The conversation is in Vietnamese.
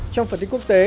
trong phần thích quốc tế